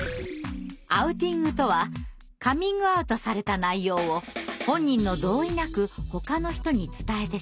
「アウティング」とはカミングアウトされた内容を本人の同意なくほかの人に伝えてしまうこと。